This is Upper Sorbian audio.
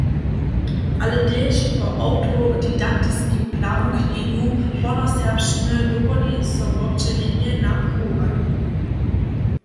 Ale tež po awtodidaktiskim nawuknjenju hornjoserbšćiny dowoli so wobdźělenje na pruwowanju.